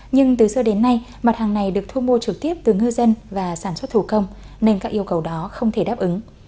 nhưng từ xưa đến nay mặt hàng này được thu mua trực tiếp từ ngư dân và sản xuất thủ công nên các yêu cầu đó không thể đáp ứng